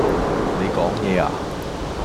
你講野呀